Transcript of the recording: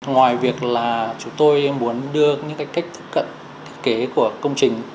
ngoài việc là chúng tôi muốn đưa những cách tiếp cận kế của công trình